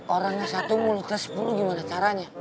orangnya satu mulutnya sepuluh gimana caranya